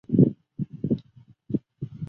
高茎毛兰为兰科毛兰属下的一个种。